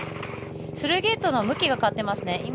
スルーゲートの向きが変わっていますね。